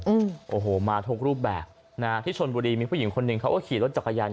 อืมโอ้โหมาทุกรูปแบบนะฮะที่ชนบุรีมีผู้หญิงคนหนึ่งเขาก็ขี่รถจักรยาน